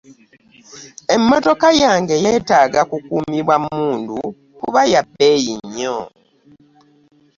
Emmotoka yange yeetaaga kukuumibwa mmundu kuba ya bbeeyi nnyo.